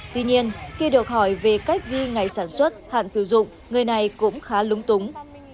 tuy nhiên khi được hỏi về cách ghi ngày sản xuất hạn sử dụng người này cũng khá lúng túng